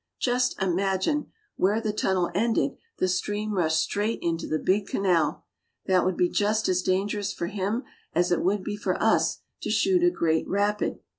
Just imagine! Where the tunnel ended the stream rushed straight into the big canal. That would be just as dangerous for him as it would be for us to shoot a great rapid.